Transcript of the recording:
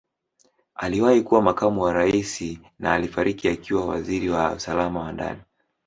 Aliwahi kuwa Makamu wa Rais na alifariki akiwa Waziri wa Usalama wa Ndani.